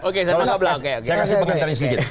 oke saya kasih pengantar yang sedikit